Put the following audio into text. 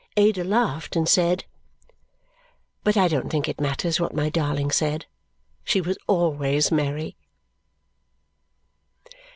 Ada laughed and said But I don't think it matters what my darling said. She was always merry.